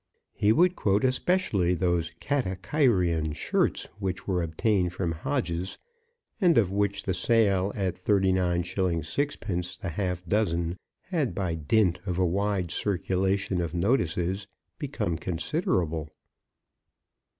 He would quote especially those Katakairion shirts which were obtained from Hodges, and of which the sale at 39_s._ 6_d._ the half dozen had by dint of a wide circulation of notices become considerable.